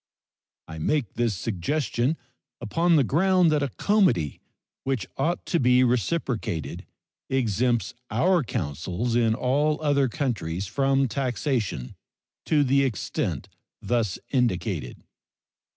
I make this suggestion upon the ground that a comity which ought to be reciprocated exempts our consuls in all other countries from taxation to the extent thus indicated.